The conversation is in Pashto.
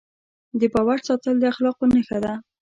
د باور ساتل د اخلاقو نښه ده.